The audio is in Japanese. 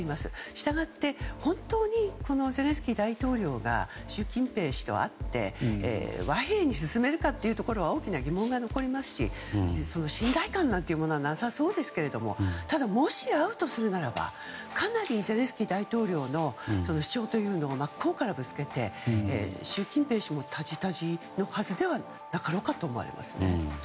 従って本当にゼレンスキー大統領が習近平氏と会って和平に進めるかは大きな疑問が残りますし信頼感というものはなさそうですがもし会うとするならばかなり、ゼレンスキー大統領の主張というのを真っ向からぶつけて、習近平氏もたじたじのはずではなかろうかと思われますね。